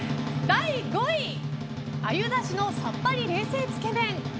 第５位鮎ダシのさっぱり冷製つけ麺。